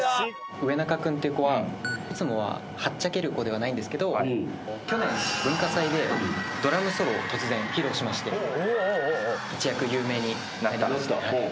上中君っていう子はいつもははっちゃける子ではないんですが去年文化祭でドラムソロを突然披露しまして一躍有名になりました。